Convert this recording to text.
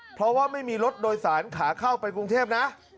เพราะว่าไม่มีรถโดยสารขาเข้าไปกรุงเทพนะ